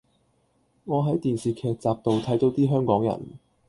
我喺電視劇集度睇倒啲香港人